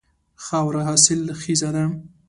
خاوره حاصل خیزه ده.